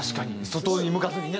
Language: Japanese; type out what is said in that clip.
外に向かずにね。